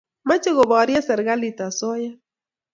mache koparie serikalit asoya